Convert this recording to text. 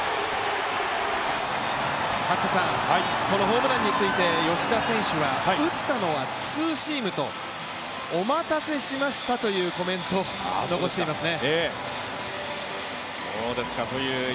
このホームランについて吉田選手は、打ったのはツーシームと、お待たせしましたというコメントを残していますね。